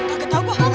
gak ketau gue